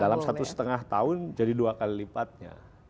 dalam satu setengah tahun jadi dua kali lipatnya